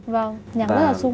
vâng nhạc rất là sung